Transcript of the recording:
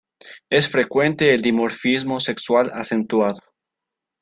Es frecuente el dimorfismo sexual acentuado.